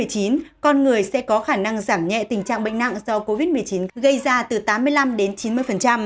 con người sẽ có khả năng giảm nhẹ tình trạng bệnh nặng do covid một mươi chín gây ra từ tám mươi năm đến chín mươi